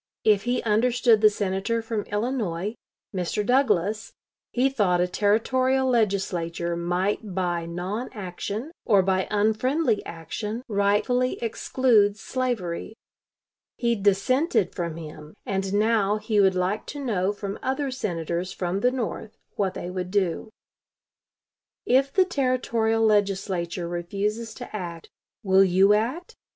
If he understood the Senator from Illinois, Mr. Douglas, he thought a Territorial Legislature might by non action or by unfriendly action rightfully exclude slavery. He dissented from him, and now he would like to know from other Senators from the North what they would do: "If the Territorial Legislature refuses to act, will you act?